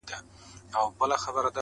زه لا اوس روانېدمه د توپان استازی راغی٫